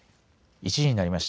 １時になりました。